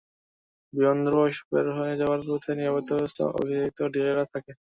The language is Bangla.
বিমানবন্দরের প্রবেশ এবং বের হয়ে যাওয়ার পথে নিরাপত্তাব্যবস্থা অপেক্ষাকৃত ঢিলেঢালা থাকে।